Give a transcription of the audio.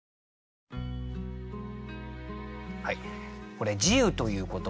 これ「慈雨」という言葉ね